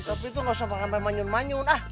tapi itu gak usah makan sampai manyun manyun ah